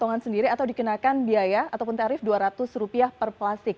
namun pajak akan dibayar oleh peritel